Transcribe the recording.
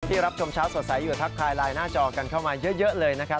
รับชมเช้าสดใสอยู่ทักทายไลน์หน้าจอกันเข้ามาเยอะเลยนะครับ